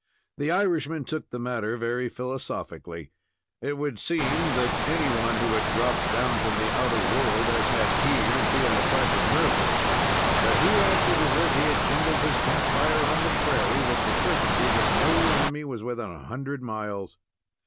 The Irishman took the matter very philosophically. It would seem that any one who had dropped down from the outer world as had he, would feel a trifle nervous; but he acted as if he had kindled his camp fire on the prairie, with the certainty that no enemy was within a hundred miles.